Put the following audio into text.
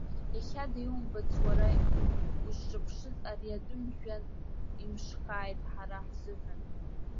Иахьада иумбац, уара узҿаԥшыз ари атәым жәҩан имшхааит ҳара ҳзыҳәан!